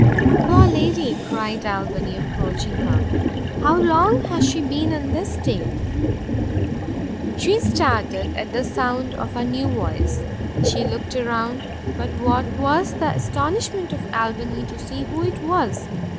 "Poor lady!" cried Albany, approaching her, "how long has she been in this state?" She started at the sound of a new voice, she looked round, but what was the astonishment of Albany to see who it was!